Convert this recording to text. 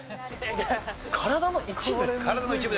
体の一部？